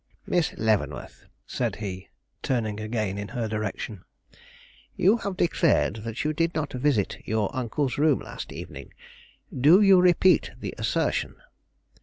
"Miss Leavenworth," said he, turning again in her direction; "you have declared that you did not visit your uncle's room last evening. Do you repeat the assertion?"